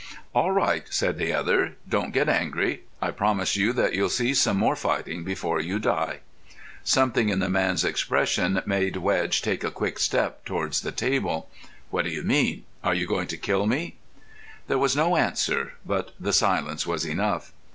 "All right," said the other. "Don't get angry. I promise you that you'll see some more fighting before you die." Something in the man's expression made Wedge take a quick step towards the table. "What do you mean? Are you going to kill me?" There was no answer, but the silence was enough.